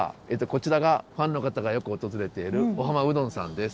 こちらがファンの方がよく訪れている尾浜うどんさんです。